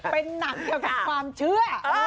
เป็นหนังเกี่ยวกับความเชื่อ